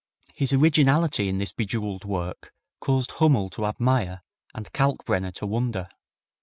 His originality in this bejewelled work caused Hummel to admire and Kalkbrenner to wonder.